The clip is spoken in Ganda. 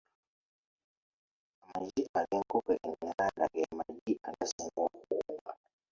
Amagi ag'enkoko enganda ge magi agasinga okuwooma.